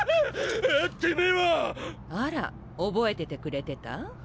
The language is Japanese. てめぇは⁉あら覚えててくれてた？